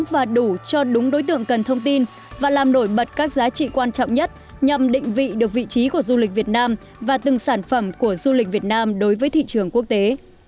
và làm nổi bật các giá trị quan trọng nhất nhằm định vị được vị trí của du lịch việt nam và từng sản phẩm của du lịch việt nam đối với thị trường quốc tế